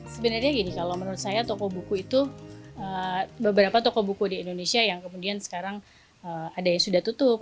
sebenarnya gini kalau menurut saya toko buku itu beberapa toko buku di indonesia yang kemudian sekarang ada yang sudah tutup